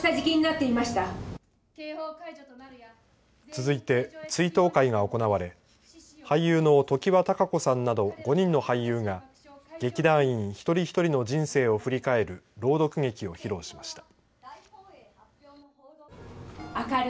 続いて追悼会が行われ俳優の常盤貴子さんなど５人の俳優が劇団員一人一人の人生を振り返る朗読劇を披露しました。